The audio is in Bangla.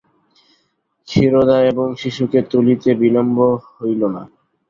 ক্ষীরোদা এবং শিশুকে তুলিতে বিলম্ব হইল না।